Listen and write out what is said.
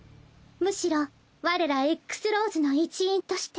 むしろ我らＸ−ＬＡＷＳの一員として。